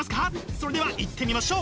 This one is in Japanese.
それではいってみましょう！